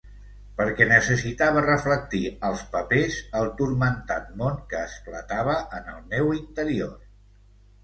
Perquè necessitava reflectir als papers el turmentat món que esclatava en el meu interior.